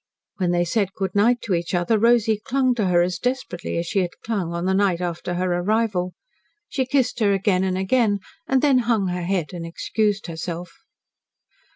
When they said good night to each other Rosy clung to her as desperately as she had clung on the night after her arrival. She kissed her again and again, and then hung her head and excused herself.